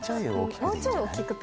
「もうちょい大きくて」。